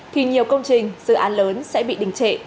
thì nhiều công trình dự án lớn sẽ bị đình trệ